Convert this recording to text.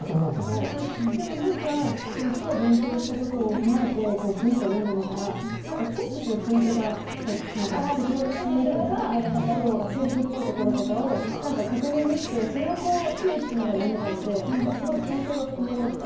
いやでも何か今日勉強した事を踏まえて文章読んでみたらチェックするポイントが接続詞とかセリフっぽいところとかを確認できてそれをこう注意しながら読めたのですごい感情が籠もりました。